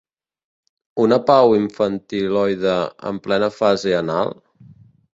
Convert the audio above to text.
Una pau infantiloide en plena fase anal?